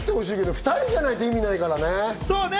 ２人じゃないと意味ないからね。